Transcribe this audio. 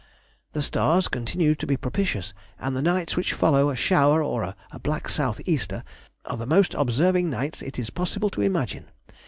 The stars continue to be propitious, and the nights which follow a shower, or a "black south easter," are the most observing nights it is possible to imagine.